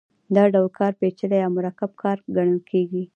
دا ډول کار پېچلی یا مرکب کار ګڼل کېږي